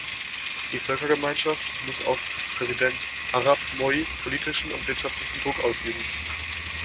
Die Völkergemeinschaft muss auf Präsident Arap Moi politischen und wirtschaftlichen Druck ausüben.